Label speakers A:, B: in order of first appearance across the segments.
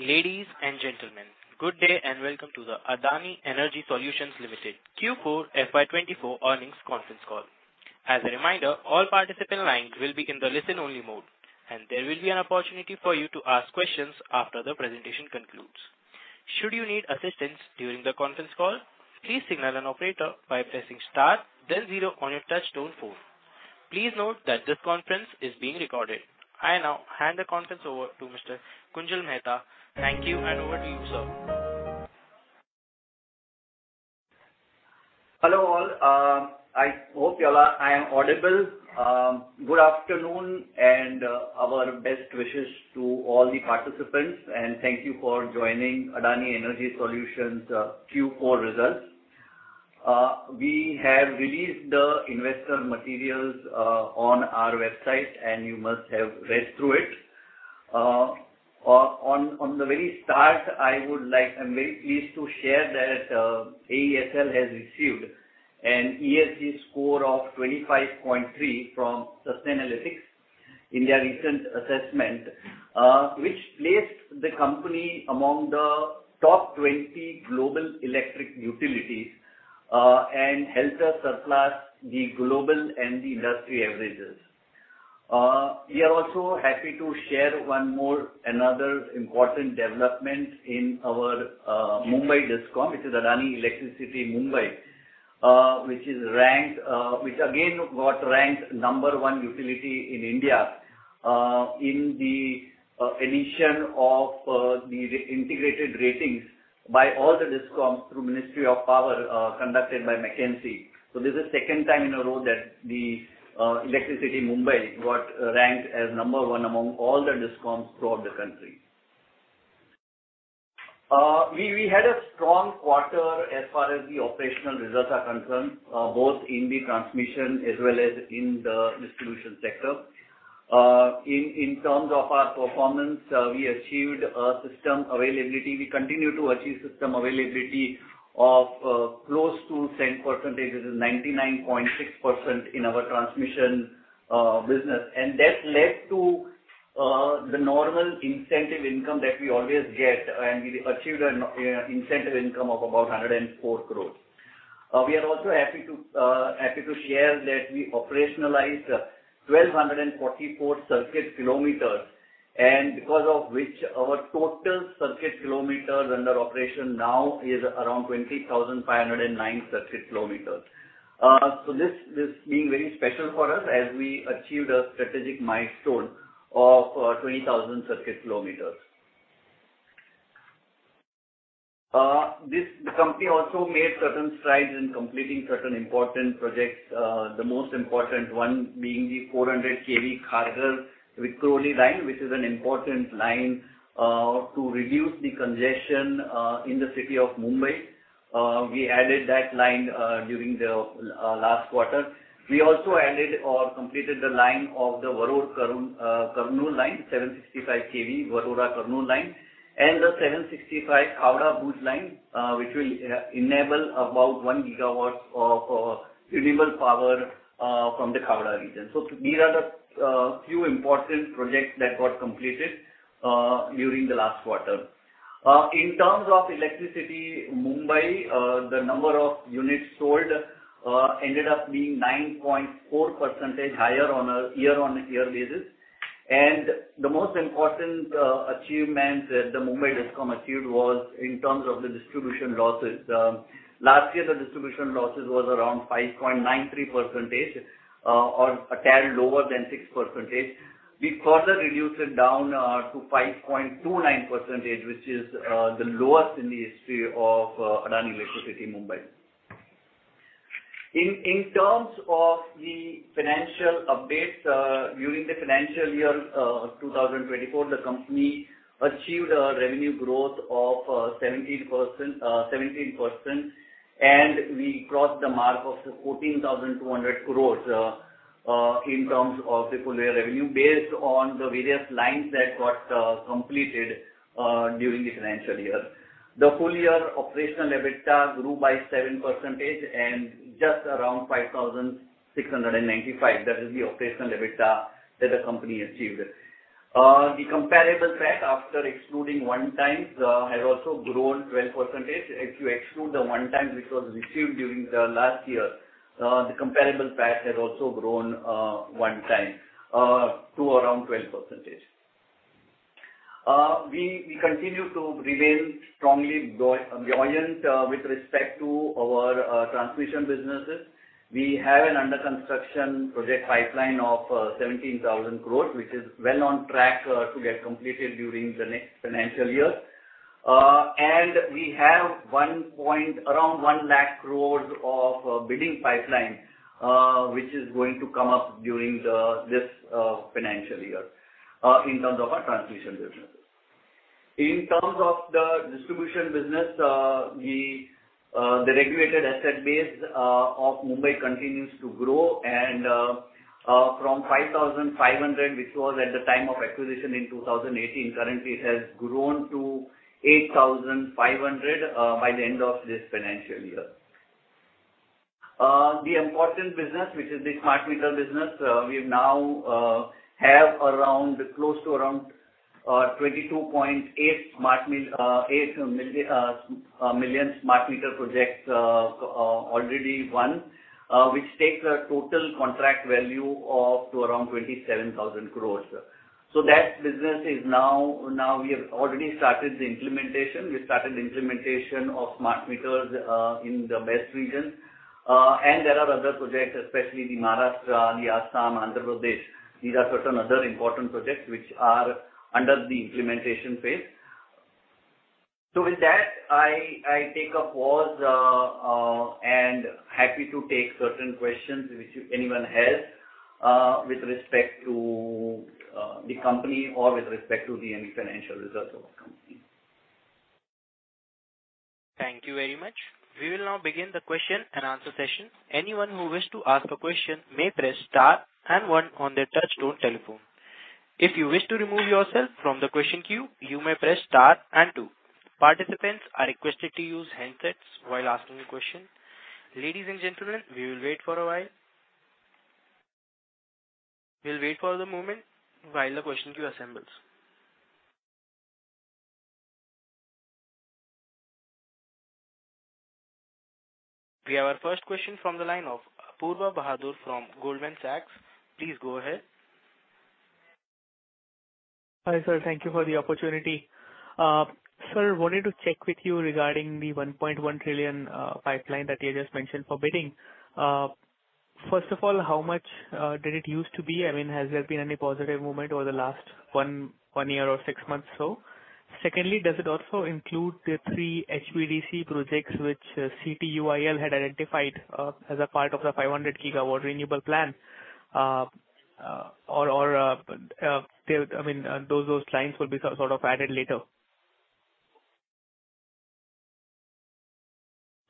A: Ladies and gentlemen, good day and welcome to the Adani Energy Solutions Limited Q4 FY24 earnings conference call. As a reminder, all participant lines will be in the listen-only mode, and there will be an opportunity for you to ask questions after the presentation concludes. Should you need assistance during the conference call, please signal an operator by pressing star, then zero on your touch-tone phone. Please note that this conference is being recorded. I now hand the conference over to Mr. Kunjal Mehta. Thank you, and over to you, sir.
B: Hello all. I hope I am audible. Good afternoon and our best wishes to all the participants, and thank you for joining Adani Energy Solutions Q4 results. We have released the investor materials on our website, and you must have read through it. On the very start, I'm very pleased to share that AESL has received an ESG score of 25.3 from Sustainalytics in their recent assessment, which placed the company among the top 20 global electric utilities and helped us surpass the global and the industry averages. We are also happy to share another important development in our Mumbai discom, which is Adani Electricity Mumbai, which again got ranked No. one utility in India in the edition of the integrated ratings of all the discoms through Ministry of Power conducted by McKinsey. So this is the second time in a row that Adani Electricity Mumbai got ranked as number one among all the discoms throughout the country. We had a strong quarter as far as the operational results are concerned, both in the transmission as well as in the distribution sector. In terms of our performance, we achieved system availability. We continue to achieve system availability of close to 100%, 99.6% in our transmission business, and that led to the normal incentive income that we always get, and we achieved an incentive income of about 104 crore. We are also happy to share that we operationalized 1,244 circuit kilometers, and because of which our total circuit kilometers under operation now is around 20,509 circuit kilometers. So this is being very special for us as we achieved a strategic milestone of 20,000 circuit kilometers. The company also made certain strides in completing certain important projects, the most important one being the 400 kV Kharghar-Vikhroli line, which is an important line to reduce the congestion in the city of Mumbai. We added that line during the last quarter. We also completed the line of the, 765 kV Warora-Kurnool line, and the 765 kV Khavda-Bhuj line, which will enable about 1 GW of renewable power from the Khavda region. So these are the few important projects that got completed during the last quarter. In terms of electricity, Mumbai, the number of units sold ended up being 9.4% higher on a year-over-year basis. The most important achievement that the Mumbai discom achieved was in terms of the distribution losses. Last year, the distribution losses were around 5.93% or a tad lower than 6%. We further reduced it down to 5.29%, which is the lowest in the history of Adani Electricity Mumbai. In terms of the financial updates, during the financial year 2024, the company achieved a revenue growth of 17%, and we crossed the mark of 14,200 crore in terms of the full-year revenue based on the various lines that got completed during the financial year. The full-year operational EBITDA grew by 7% and just around 5,695 crore. That is the operational EBITDA that the company achieved. The comparable PAT, after excluding one-times, has also grown 12%. If you exclude the one-times which was received during the last year, the comparable PAT has also grown one-time to around 12%. We continue to remain strongly buoyant with respect to our transmission businesses. We have an under-construction project pipeline of 17,000 crore, which is well on track to get completed during the next financial year. We have around 100,000 crore of bidding pipeline, which is going to come up during this financial year in terms of our transmission businesses. In terms of the distribution business, the regulated asset base of Mumbai continues to grow, and from 5,500, which was at the time of acquisition in 2018, currently has grown to 8,500 by the end of this financial year. The important business, which is the smart meter business, we now have close to around 22.8 million smart meter projects already won, which takes a total contract value of around 27,000 crore. That business is now we have already started the implementation. We started the implementation of smart meters in the best regions. There are other projects, especially the Maharashtra, Bihar, Assam, Uttarakhand, and Andhra Pradesh. These are certain other important projects which are under the implementation phase. With that, I take up pause and happy to take certain questions which anyone has with respect to the company or with respect to any financial results of the company.
A: Thank you very much. We will now begin the question and answer session. Anyone who wish to ask a question may press star and one on their touch-tone telephone. If you wish to remove yourself from the question queue, you may press star and two. Participants are requested to use headsets while asking a question. Ladies and gentlemen, we will wait for a while. We'll wait for the moment while the question queue assembles. We have our first question from the line of Apoorva Bahadur from Goldman Sachs. Please go ahead.
C: Hi sir. Thank you for the opportunity. Sir, wanted to check with you regarding the 1.1 trillion pipeline that you just mentioned for bidding. First of all, how much did it used to be? I mean, has there been any positive movement over the last one year or six months or so? Secondly, does it also include the three HVDC projects which CTUIL had identified as a part of the 500 GW renewable plan? Or I mean, those lines will be sort of added later?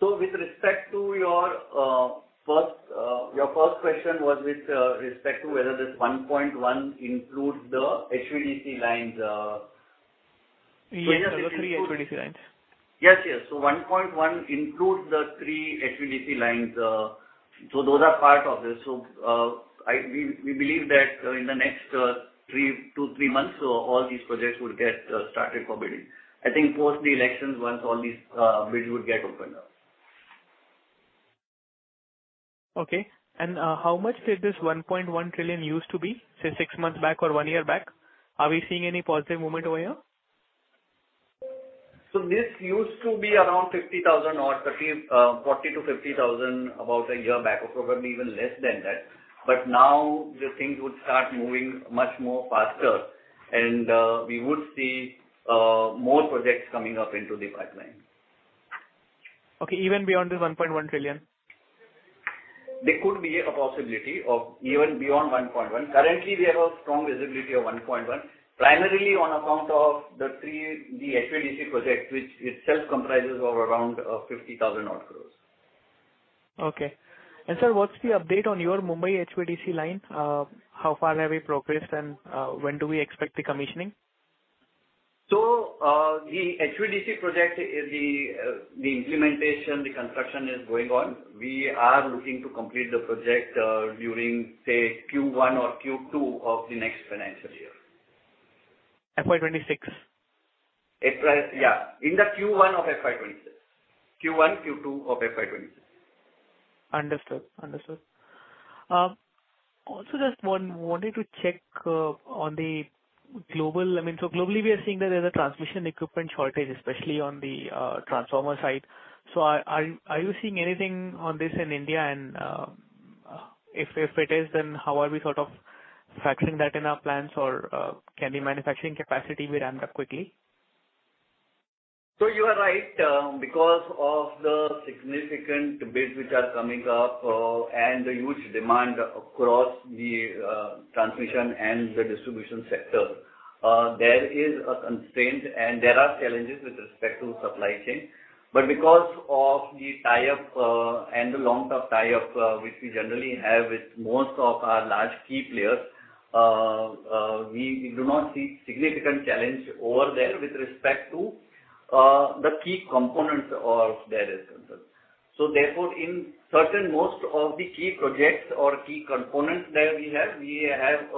B: So, with respect to your first question, was with respect to whether this 1.1 includes the HVDC lines?
C: Yes, the three HVDC lines.
B: Yes, yes. So 1.1 includes the 3 HVDC lines. So those are part of this. So we believe that in the next 2, 3 months, all these projects would get started for bidding. I think post the elections, once all these bids would get opened.
C: Okay. How much did this 1.1 trillion used to be, say, 6 months back or 1 year back? Are we seeing any positive movement over here?
B: So this used to be around 50,000 or 40-50,000 about a year back or probably even less than that. But now the things would start moving much more faster, and we would see more projects coming up into the pipeline.
C: Okay. Even beyond this 1.1 trillion?
B: There could be a possibility of even beyond 1.1. Currently, we have a strong visibility of 1.1, primarily on account of the three HVDC projects, which itself comprises around 50,000-odd crore.
C: Okay. Sir, what's the update on your Mumbai HVDC line? How far have we progressed, and when do we expect the commissioning?
B: The HVDC project, the implementation, the construction is going on. We are looking to complete the project during, say, Q1 or Q2 of the next financial year.
C: FY26?
B: Yeah. In the Q1 of FY26. Q1, Q2 of FY26.
C: Understood. Understood. Also just wanted to check on the global I mean, so globally, we are seeing that there's a transmission equipment shortage, especially on the transformer side. So are you seeing anything on this in India? And if it is, then how are we sort of factoring that in our plans, or can the manufacturing capacity be ramped up quickly?
B: So you are right. Because of the significant bids which are coming up and the huge demand across the transmission and the distribution sector, there is a constraint, and there are challenges with respect to supply chain. But because of the tie-up and the long-term tie-up which we generally have with most of our large key players, we do not see significant challenge over there with respect to the key components of their responses. So therefore, in certain most of the key projects or key components that we have, we have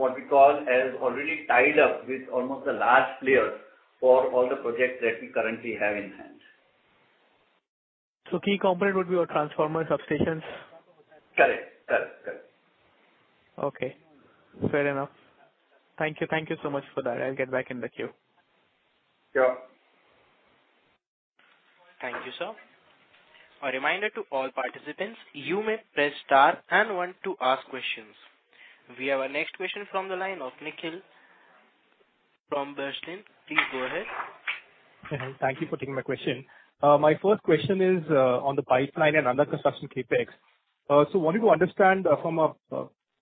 B: what we call as already tied up with almost the large players for all the projects that we currently have in hand.
C: Key component would be your transformer substations?
B: Correct. Correct. Correct.
C: Okay. Fair enough. Thank you. Thank you so much for that. I'll get back in the queue.
B: Sure.
A: Thank you, sir. A reminder to all participants, you may press star and one to ask questions. We have our next question from the line of Nikhil from Bernstein. Please go ahead.
D: Thank you for taking my question. My first question is on the pipeline and under-construction CapEx. So wanting to understand from a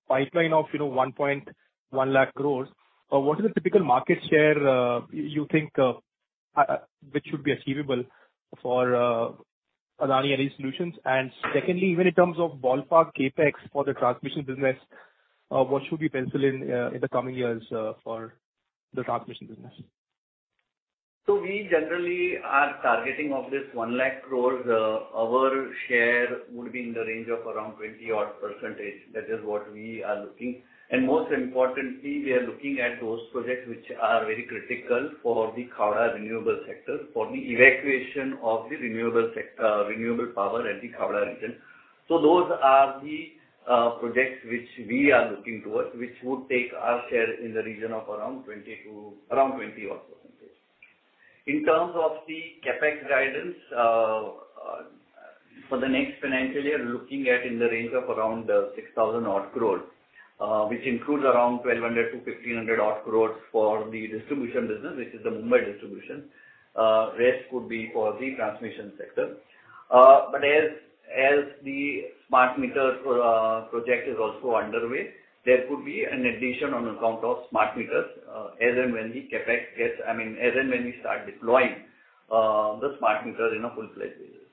D: pipeline of 110,000 crore, what is the typical market share you think which should be achievable for Adani Energy Solutions? And secondly, even in terms of ballpark CapEx for the transmission business, what should be penciled in the coming years for the transmission business?
B: So we generally are targeting of this 100,000 crore. Our share would be in the range of around 20-odd%. That is what we are looking. And most importantly, we are looking at those projects which are very critical for the Khavda renewable sector, for the evacuation of the renewable power at the Khavda region. So those are the projects which we are looking towards, which would take our share in the region of around 20-odd%. In terms of the CapEx guidance for the next financial year, looking at in the range of around 6,000 crore, which includes around 1,200-1,500 crore for the distribution business, which is the Mumbai distribution. Rest would be for the transmission sector. But as the smart meter project is also underway, there could be an addition on account of smart meters as and when the CapEx gets—I mean, as and when we start deploying the smart meter in a full-fledged basis.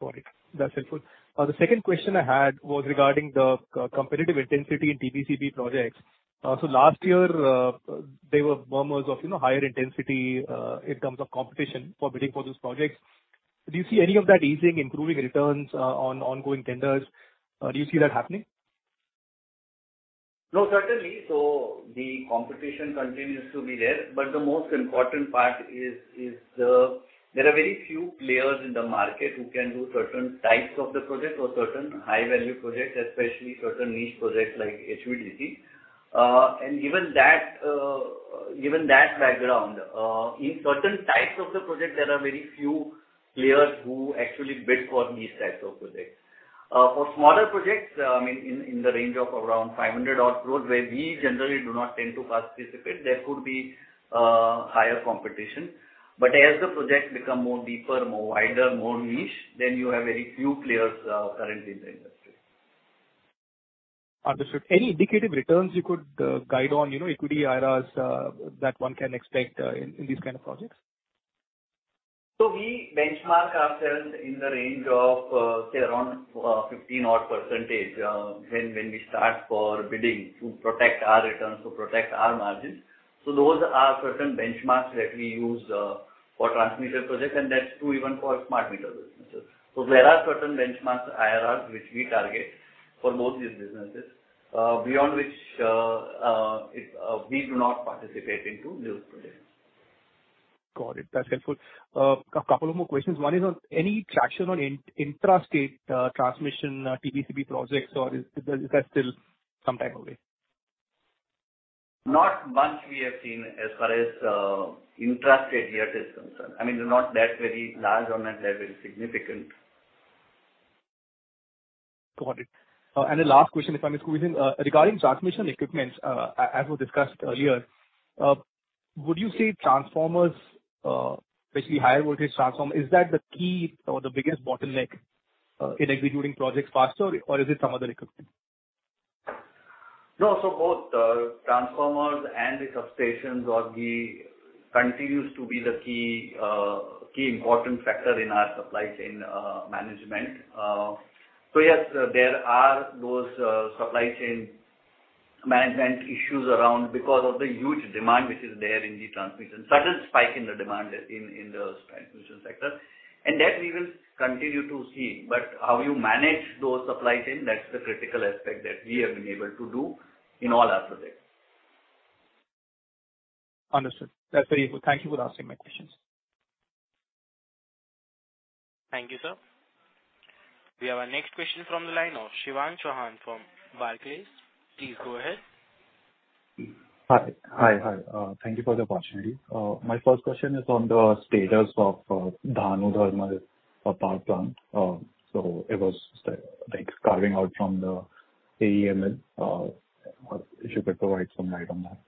D: Got it. That's helpful. The second question I had was regarding the competitive intensity in TBCB projects. So last year, there were murmurs of higher intensity in terms of competition for bidding for those projects. Do you see any of that easing, improving returns on ongoing tenders? Do you see that happening?
B: No, certainly. So the competition continues to be there. But the most important part is there are very few players in the market who can do certain types of the projects or certain high-value projects, especially certain niche projects like HVDC. And given that background, in certain types of the projects, there are very few players who actually bid for these types of projects. For smaller projects, I mean, in the range of around 500 crore where we generally do not tend to participate, there could be higher competition. But as the projects become more deeper, more wider, more niche, then you have very few players currently in the industry.
D: Understood. Any indicative returns you could guide on, equity IRR that one can expect in these kind of projects?
B: So we benchmark ourselves in the range of, say, around 15-odd% when we start for bidding to protect our returns, to protect our margins. So those are certain benchmarks that we use for transmission projects, and that's true even for smart meter businesses. So there are certain benchmarks IRRs which we target for both these businesses, beyond which we do not participate into those projects.
D: Got it. That's helpful. A couple of more questions. One is on any traction on intrastate transmission TBCB projects, or is that still some time away?
B: Not much we have seen as far as intrastate yet is concerned. I mean, they're not that very large or not that very significant.
D: Got it. The last question, if I may squeeze in, regarding transmission equipment, as we discussed earlier, would you say transformers, especially higher voltage transformers, is that the key or the biggest bottleneck in executing projects faster, or is it some other equipment?
B: No, so both transformers and the substations continues to be the key important factor in our supply chain management. So yes, there are those supply chain management issues around because of the huge demand which is there in the transmission, sudden spike in the demand in the transmission sector. And that we will continue to see. But how you manage those supply chain, that's the critical aspect that we have been able to do in all our projects.
D: Understood. That's very helpful. Thank you for answering my questions.
A: Thank you, sir. We have our next question from the line of Shivang Chauhan from Barclays. Please go ahead.
E: Hi. Thank you for the opportunity. My first question is on the status of Dahanu Thermal Power Plant. It was carving out from the AEML. If you could shed some light on that.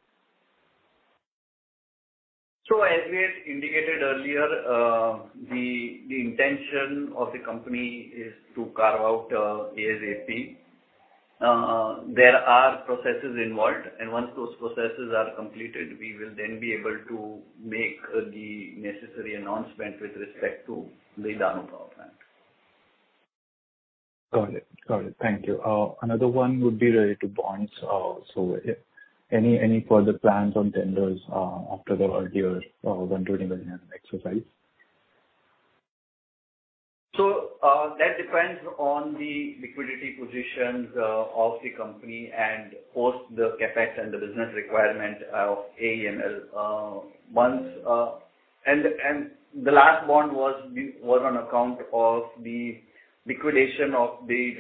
B: As we had indicated earlier, the intention of the company is to carve out ASAP. There are processes involved, and once those processes are completed, we will then be able to make the necessary announcement with respect to the Dahanu Power plant.
E: Got it. Got it. Thank you. Another one would be related to bonds. So any further plans on tenders after the earlier $120 million exercise?
B: That depends on the liquidity positions of the company and post the CapEx and the business requirement of AEML. The last bond was on account of the liquidation of the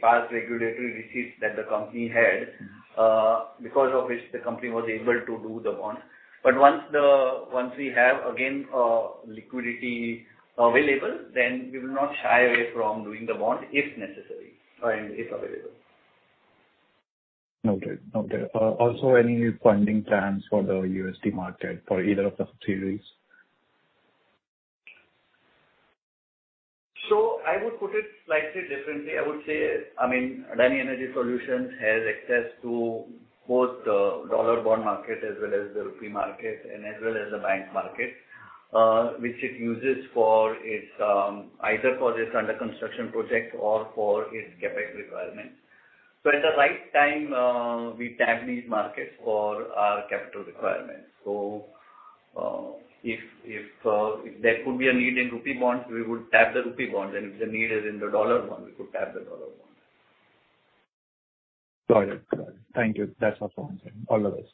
B: past regulatory receipts that the company had, because of which the company was able to do the bonds. Once we have, again, liquidity available, then we will not shy away from doing the bond if necessary and if available.
E: Noted. Noted. Also, any new funding plans for the USD market for either of the subsidiaries?
B: So I would put it slightly differently. I would say, I mean, Adani Energy Solutions has access to both the dollar bond market as well as the rupee market and as well as the bank market, which it uses either for this under-construction project or for its CapEx requirement. So at the right time, we tap these markets for our capital requirements. So if there could be a need in rupee bonds, we would tap the rupee bonds. And if the need is in the dollar bond, we could tap the dollar bonds
E: Got it. Got it. Thank you. Thank you for answering. All the best.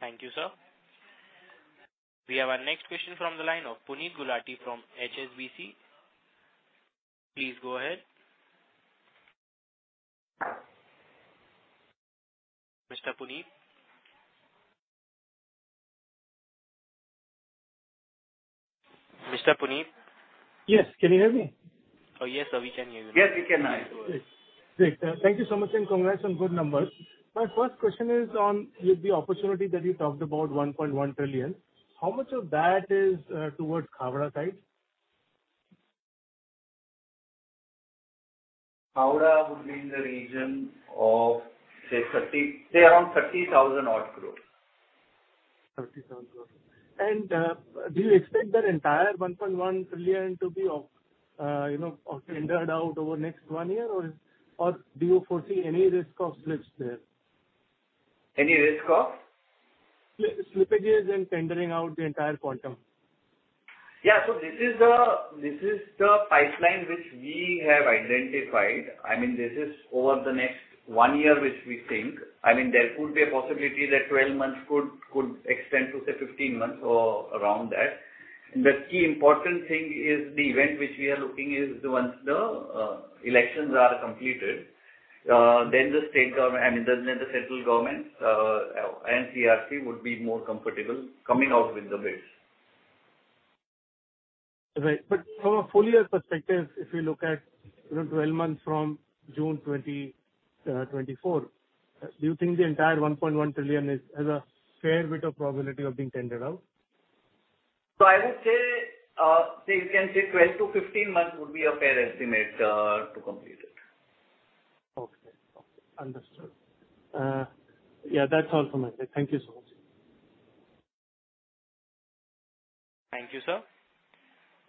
A: Thank you, sir. We have our next question from the line of Puneet Gulati from HSBC. Please go ahead. Mr. Puneet? Mr. Puneet?
F: Yes. Can you hear me?
A: Oh, yes, sir. We can hear you.
B: Yes, we can.
F: Thank you so much, and congrats on good numbers. My first question is on the opportunity that you talked about, 1.1 trillion. How much of that is towards Khavda side? Khavda would be in the region of, say, around 30,000 crore. 30,000-odd crores. And do you expect that entire 1.1 trillion to be tendered out over the next one year, or do you foresee any risk of slips there?
B: Any risk of?
F: Slippages and tendering out the entire quantum.
B: Yeah. This is the pipeline which we have identified. I mean, this is over the next 1 year which we think. I mean, there could be a possibility that 12 months could extend to, say, 15 months or around that. The key important thing is the event which we are looking is once the elections are completed, then the state government I mean, then the central government and NCT would be more comfortable coming out with the bids.
F: Right. But from a full-year perspective, if we look at 12 months from June 2024, do you think the entire 1.1 trillion has a fair bit of probability of being tendered out?
B: I would say you can say 12-15 months would be a fair estimate to complete it.
F: Okay. Okay. Understood. Yeah, that's all for my side. Thank you so much.
A: Thank you, sir.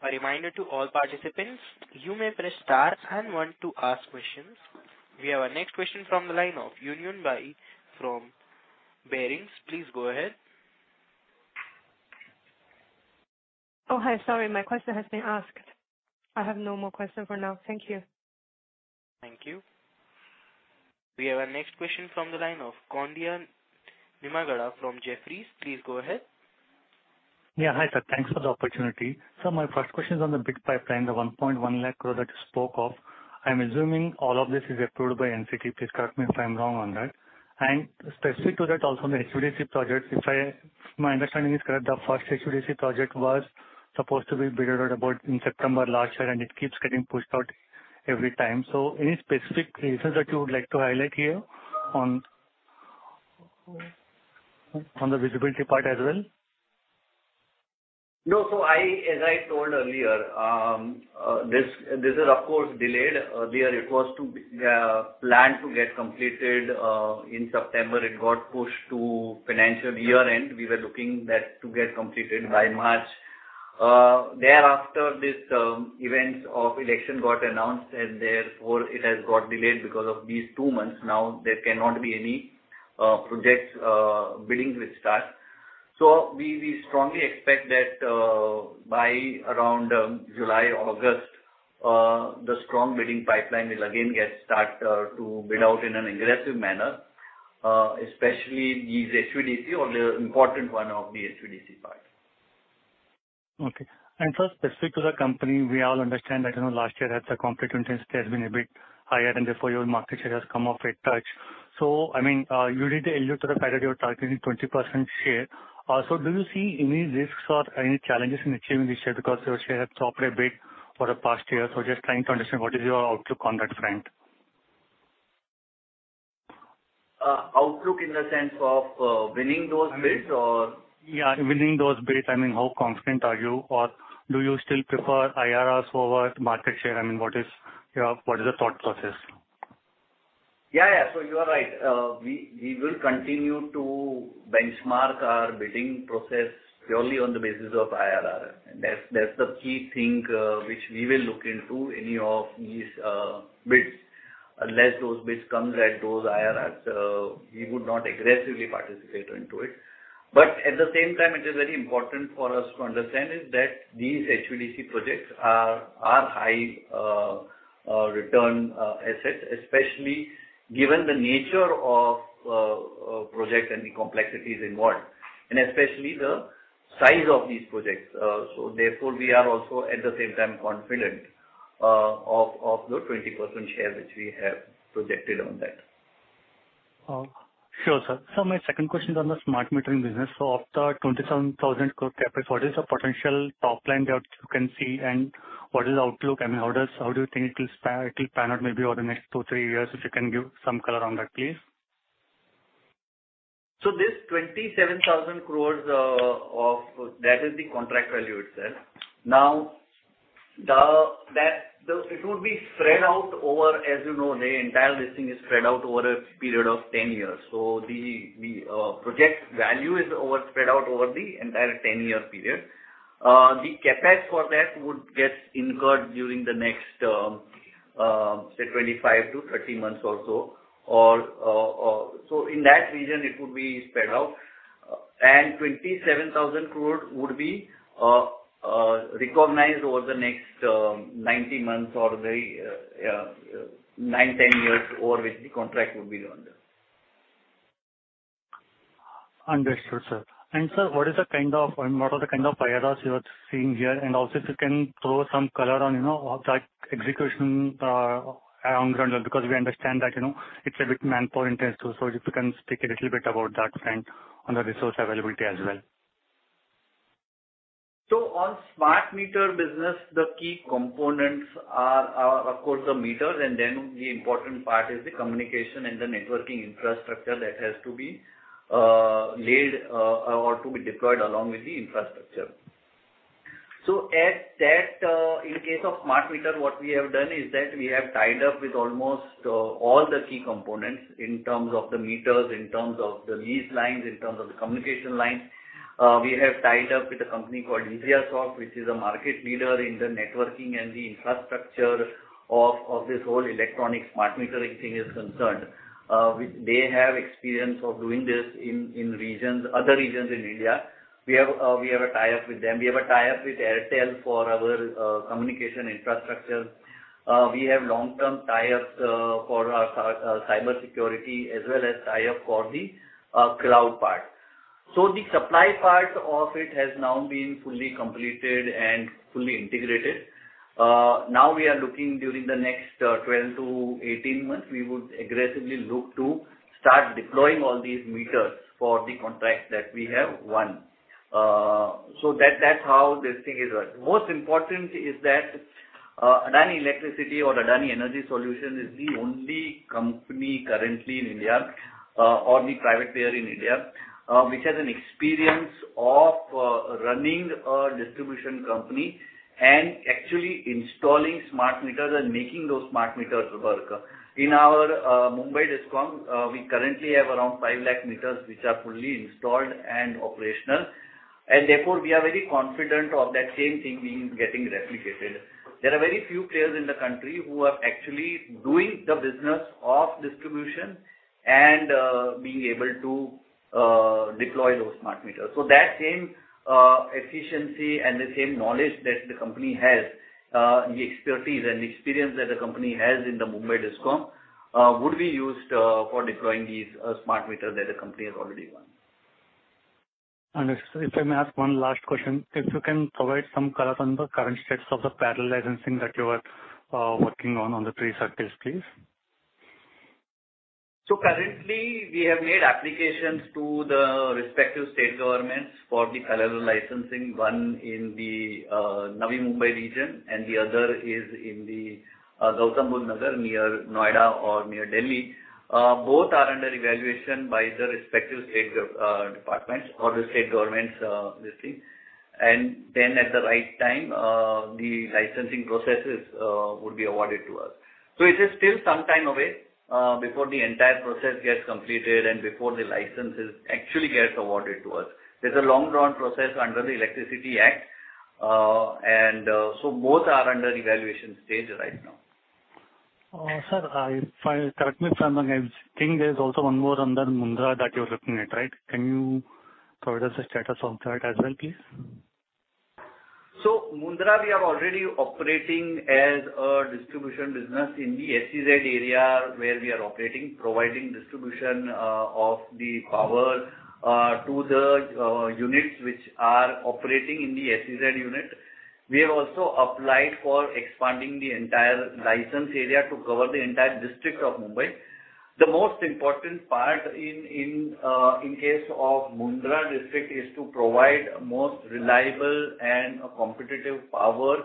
A: A reminder to all participants, you may press star and 1 to ask questions. We have our next question from the line of Yunyun Bai from Barings. Please go ahead.
G: Oh, hi. Sorry. My question has been asked. I have no more questions for now. Thank you.
A: Thank you. We have our next question from the line of Koundinya Nimmagadda from Jefferies. Please go ahead.
H: Yeah, hi, sir. Thanks for the opportunity. So my first question is on the bid pipeline, the 110,000 crore that you spoke of. I'm assuming all of this is approved by NCT. Please correct me if I'm wrong on that. And specific to that, also the HVDC projects, if my understanding is correct, the first HVDC project was supposed to be bid out about in September last year, and it keeps getting pushed out every time. So any specific reasons that you would like to highlight here on the visibility part as well?
B: No, so as I told earlier, this is, of course, delayed. Earlier, it was planned to get completed in September. It got pushed to financial year-end. We were looking to get completed by March. Thereafter, this event of election got announced, and therefore, it has got delayed because of these two months. Now, there cannot be any projects bidding with start. So we strongly expect that by around July, August, the strong bidding pipeline will again get started to bid out in an aggressive manner, especially these HVDC or the important one of the HVDC part.
H: Okay. So specific to the company, we all understand that last year, the competitive intensity has been a bit higher, and therefore, your market share has come off a touch. So I mean, you alluded to the fact that you're targeting 20% share. So do you see any risks or any challenges in achieving this share because your share has dropped a bit for the past year? So just trying to understand what is your outlook on that front?
B: Outlook in the sense of winning those bids, or?
H: Yeah, winning those bids. I mean, how confident are you, or do you still prefer IRRs over market share? I mean, what is the thought process?
B: Yeah, yeah. So you are right. We will continue to benchmark our bidding process purely on the basis of IRR. And that's the key thing which we will look into any of these bids. Unless those bids come at those IRRs, we would not aggressively participate into it. But at the same time, it is very important for us to understand that these HVDC projects are high-return assets, especially given the nature of project and the complexities involved and especially the size of these projects. So therefore, we are also at the same time confident of the 20% share which we have projected on that.
H: Sure, sir. So my second question is on the smart metering business. So of the 27,000 crore CapEx, what is the potential top line that you can see, and what is the outlook? I mean, how do you think it will pan out maybe over the next two, three years? If you can give some color on that, please.
B: So this 27,000 crore, that is the contract value itself. Now, it would be spread out over as you know, the entire listing is spread out over a period of 10 years. So the project value is spread out over the entire 10-year period. The CapEx for that would get incurred during the next, say, 25-30 months or so. So in that region, it would be spread out. And 27,000 crore would be recognized over the next 90 months or 9-10 years or which the contract would be done.
H: Understood, sir. Sir, what are the kind of IRAs you are seeing here? Also, if you can throw some color on that execution on ground level because we understand that it's a bit manpower-intensive. If you can speak a little bit about that front on the resource availability as well.
B: So on smart meter business, the key components are, of course, the meters. And then the important part is the communication and the networking infrastructure that has to be laid or to be deployed along with the infrastructure. So in case of smart meter, what we have done is that we have tied up with almost all the key components in terms of the meters, in terms of the lease lines, in terms of the communication lines. We have tied up with a company called Esyasoft, which is a market leader in the networking and the infrastructure of this whole electronic smart metering thing is concerned. They have experience of doing this in other regions in India. We have a tie-up with them. We have a tie-up with Airtel for our communication infrastructure. We have long-term tie-ups for our cybersecurity as well as tie-up for the cloud part. So the supply part of it has now been fully completed and fully integrated. Now, we are looking during the next 12-18 months; we would aggressively look to start deploying all these meters for the contract that we have won. So that's how this thing is run. Most important is that Adani Electricity or Adani Energy Solutions is the only company currently in India or the private player in India which has an experience of running a distribution company and actually installing smart meters and making those smart meters work. In our Mumbai discom, we currently have around 500,000 meters which are fully installed and operational. And therefore, we are very confident of that same thing being getting replicated. There are very few players in the country who are actually doing the business of distribution and being able to deploy those smart meters. So that same efficiency and the same knowledge that the company has, the expertise and experience that the company has in the Mumbai discom, would be used for deploying these smart meters that the company has already won.
H: Understood. If I may ask one last question, if you can provide some color on the current status of the parallel licensing that you are working on the three circles, please?
B: So currently, we have made applications to the respective state governments for the parallel licensing, one in the Navi Mumbai region and the other is in the Gautam Buddh Nagar near Noida or near Delhi. Both are under evaluation by the respective state departments or the state governments, this thing. And then at the right time, the licensing processes would be awarded to us. So it is still some time away before the entire process gets completed and before the licenses actually get awarded to us. There's a long-run process under the Electricity Act. And so both are under evaluation stage right now.
H: Sir, correct me if I'm wrong. I think there's also one more under Mundra that you're looking at, right? Can you provide us the status on that as well, please?
B: So Mundra, we are already operating as a distribution business in the SEZ area where we are operating, providing distribution of the power to the units which are operating in the SEZ unit. We have also applied for expanding the entire license area to cover the entire district of Mundra. The most important part in case of Mundra district is to provide most reliable and competitive power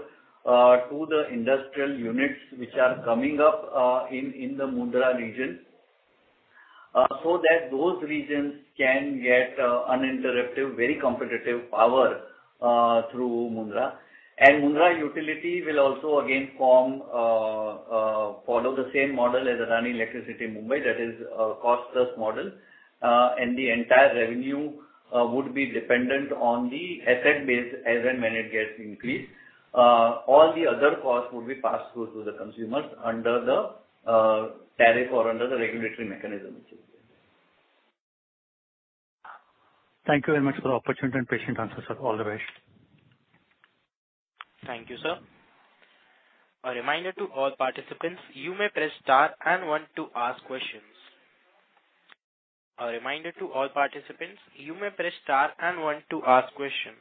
B: to the industrial units which are coming up in the Mundra region so that those regions can get uninterruptive, very competitive power through Mundra. And Mundra utility will also, again, follow the same model as Adani Electricity Mumbai, that is a cost-plus model. And the entire revenue would be dependent on the asset base as and when it gets increased. All the other costs would be passed through to the consumers under the tariff or under the regulatory mechanism.
H: Thank you very much for the opportunity and patient answers, sir. All the best.
A: Thank you, sir. A reminder to all participants, you may press star and 1 to ask questions. A reminder to all participants, you may press star and 1 to ask questions.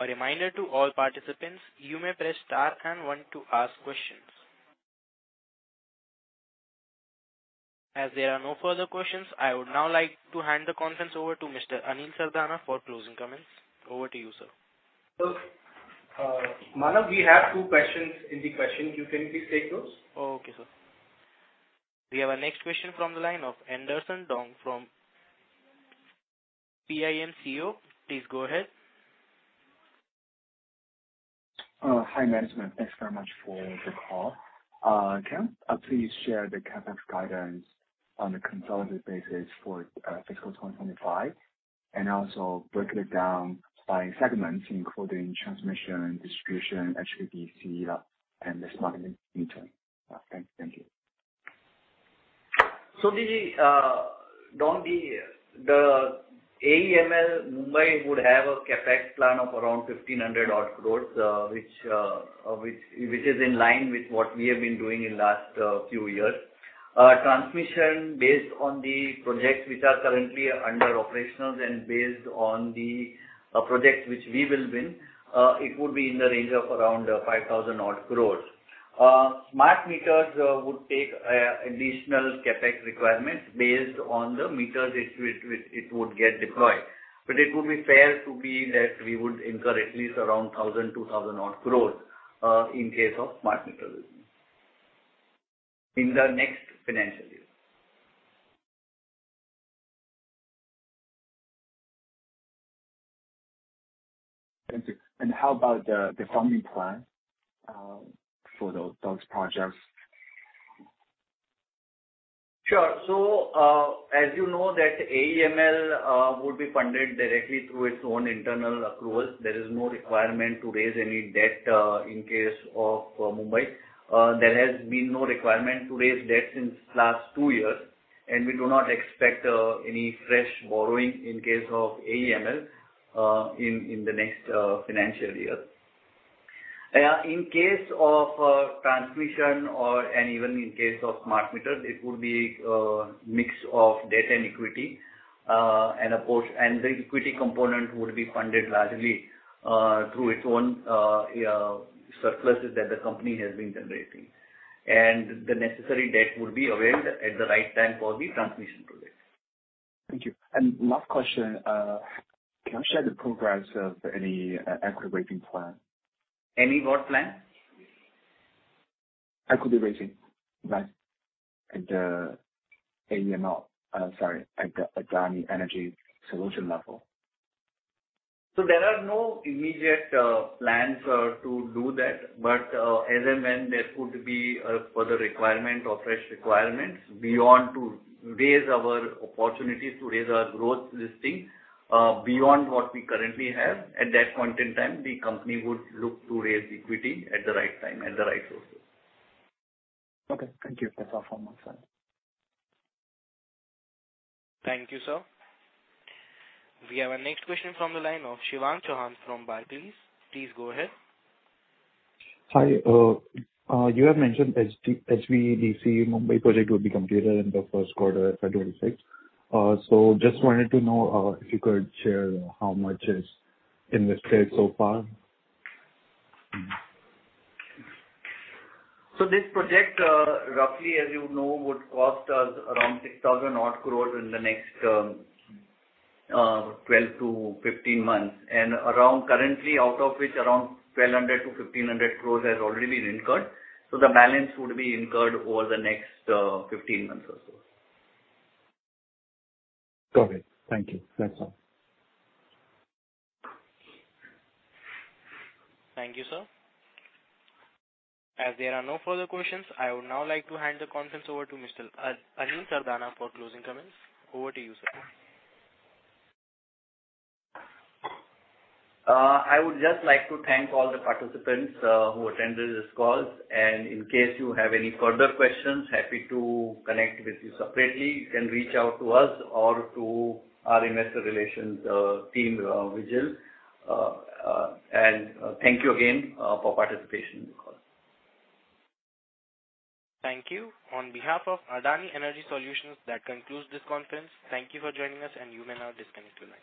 A: A reminder to all participants, you may press star and 1 to ask questions. As there are no further questions, I would now like to hand the conference over to Mr. Kunjal Mehta for closing comments. Over to you, sir.
B: Manav, we have two questions in the question. You can please take those.
A: Okay, sir. We have our next question from the line of Anderson Dong from PIMCO. Please go ahead.
I: Hi, management. Thanks very much for the call. Can I please share the CapEx guidance on a consolidated basis for fiscal 2025 and also break it down by segments, including transmission, distribution, HVDC, and the smart metering? Thank you.
B: So, Anderson Dong, the AEML Mumbai would have a CapEx plan of around 1,500 crore, which is in line with what we have been doing in the last few years. Transmission based on the projects which are currently under operational and based on the projects which we will win, it would be in the range of around 5,000-odd crore. Smart meters would take additional CapEx requirements based on the meters it would get deployed. But it would be fair to be that we would incur at least around 1,000-2,000-odd crore in case of smart metering in the next financial year
I: Thank you. How about the funding plan for those projects?
B: Sure. So as you know, that AEML would be funded directly through its own internal accruals. There is no requirement to raise any debt in case of Mumbai. There has been no requirement to raise debt since the last two years. We do not expect any fresh borrowing in case of AEML in the next financial year. In case of transmission and even in case of smart meters, it would be a mix of debt and equity. The equity component would be funded largely through its own surpluses that the company has been generating. The necessary debt would be availed at the right time for the transmission project.
I: Thank you. Last question, can you share the progress of any equity raising plan?
B: Any what plan?
I: Equity raising at the AEML, sorry, at the Adani Energy Solutions level.
B: So there are no immediate plans to do that. But as and when there could be a further requirement or fresh requirements beyond to raise our opportunities to raise our growth listing beyond what we currently have, at that point in time, the company would look to raise equity at the right time, at the right sources.
I: Okay. Thank you. That's all from my side.
A: Thank you, sir. We have our next question from the line of Shivang Chauhan from Barclays, please. Please go ahead.
E: Hi. You have mentioned HVDC Mumbai project would be completed in the first quarter of 2026. So just wanted to know if you could share how much is invested so far.
B: So this project, roughly, as you know, would cost us around 6,000 crore in the next 12-15 months. And currently, out of which, around 1,200-1,500 crore has already been incurred. So the balance would be incurred over the next 15 months or so.
E: Got it. Thank you. That's all.
A: Thank you, sir. As there are no further questions, I would now like to hand the conference over to Mr. Kunjal Mehta for closing comments. Over to you, sir.
B: I would just like to thank all the participants who attended this call. In case you have any further questions, happy to connect with you separately. You can reach out to us or to our investor relations team, Vijil. Thank you again for participation in the call.
A: Thank you. On behalf of Adani Energy Solutions, that concludes this conference. Thank you for joining us, and you may now disconnect your line.